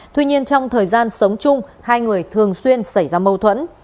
tuy nhiên trong thời gian sống chung hai người thường xuyên xảy ra mâu thuẫn